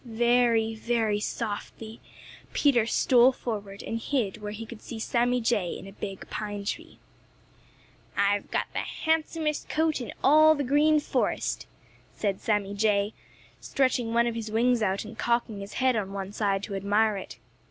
Very, very softly Peter stole forward and hid where he could see Sammy Jay in a big pine tree. "I've got the handsomest coat in all the Green Forest!" said Sammy Jay, stretching one of his wings out and cocking his head on one side to admire it.